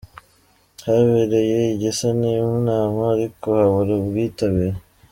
habereye igisa n’inama ariko habura ubwitabire.